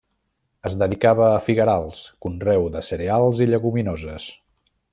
Es dedicava a figuerals, conreu de cereals i lleguminoses.